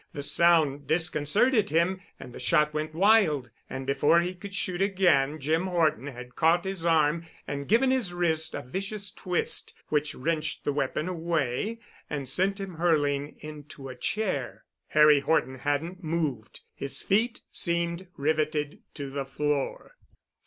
The sound disconcerted him and the shot went wild and before he could shoot again Jim Horton had caught his arm and given his wrist a vicious twist which wrenched the weapon away and sent him hurling into a chair. Harry Horton hadn't moved. His feet seemed riveted to the floor.